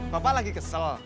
bapak lagi kesel